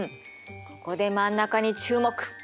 ここで真ん中に注目！